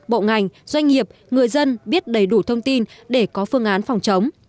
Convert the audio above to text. bộ ngành doanh nghiệp người dân biết đầy đủ thông tin để có phương án phòng chống